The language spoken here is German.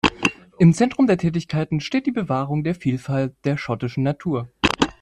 Im Zentrum der Tätigkeiten steht die Bewahrung der Vielfalt der schottischen Natur.